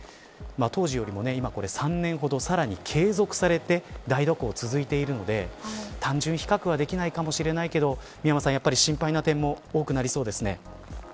当時よりも今３年ほどさらに継続されて大蛇行が続いているので単純比較はできないかもしれないけど美山さん、やっぱり心配な点も多くなりそうですね。